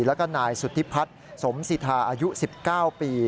แล้วก็นายสุธิพัฒน์สมสิทาอายุ๑๙ปี